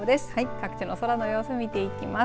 各地の空の様子を見ていきます。